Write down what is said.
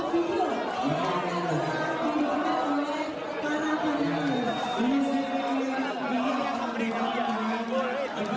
kita juga bisa kita muda banyak